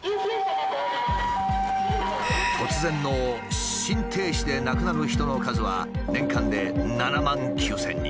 突然の心停止で亡くなる人の数は年間で７万９，０００人。